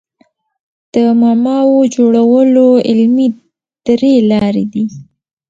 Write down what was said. د معماوو جوړولو علمي درې لاري دي.